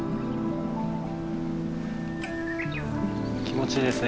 気持ちいいですね。